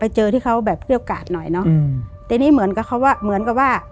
เจอที่เขาแบบเปรี้ยวกาดหน่อยเนอะอืมทีนี้เหมือนกับเขาว่าเหมือนกับว่า